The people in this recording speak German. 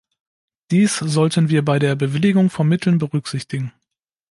Dies sollten wir bei der Bewilligung von Mitteln berücksichtigen.